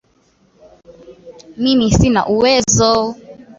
Mimi sina uwezo